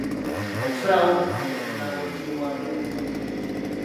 Okusalawo omukutu ogunaaweerezebwamu obubaka.